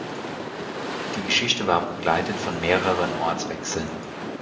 Die Geschichte war begleitet von mehreren Ortswechseln.